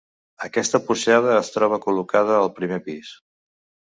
Aquesta porxada es troba col·locada al primer pis.